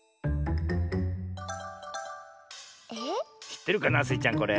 しってるかなスイちゃんこれ。